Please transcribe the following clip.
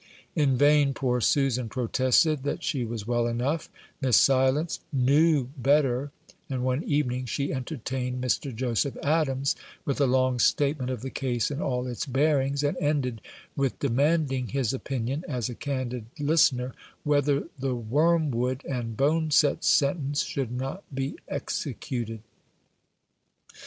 In vain poor Susan protested that she was well enough; Miss Silence knew better; and one evening she entertained Mr. Joseph Adams with a long statement of the case in all its bearings, and ended with demanding his opinion, as a candid listener, whether the wormwood and boneset sentence should not be executed.